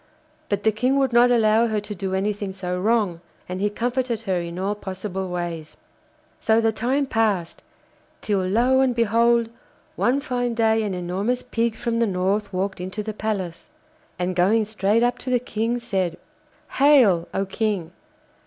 But the King would not allow her to do anything so wrong, and he comforted her in all possible ways. So the time passed, till lo and behold! one fine day an enormous pig from the North walked into the palace, and going straight up to the King said, 'Hail! oh King.